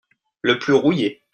Le plus rouillé.